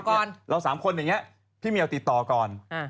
เพราะว่าตอนนี้ก็ไม่มีใครไปข่มครูฆ่า